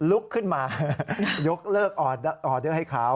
ลุกขึ้นมายกเลิกออเดอร์ให้เขา